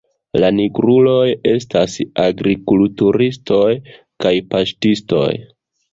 La nigruloj estas agrikulturistoj kaj paŝtistoj.